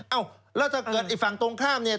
เอ้าแล้วถ้าเกิดไอ้ฝั่งตรงข้ามเนี่ย